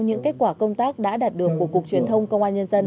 những kết quả công tác đã đạt được của cục truyền thông công an nhân dân